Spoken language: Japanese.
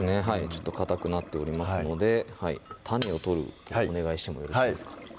ちょっとかたくなっておりますので種を取るとこお願いしてもよろしいですか？